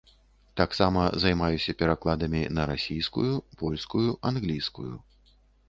Таксама займаюся перакладамі на расійскую, польскую, англійскую.